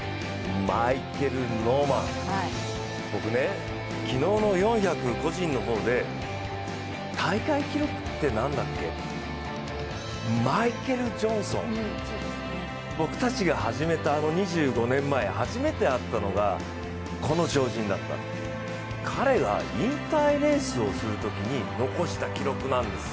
マイケル・ノーマン、僕、昨日の４×１００の方で大会記録って何だっけ、マイケル・ジョンソン、僕たちが始めたあの２５年前、初めて会ったのがこの超人だった、彼が引退レースをするときに残した記録なんです。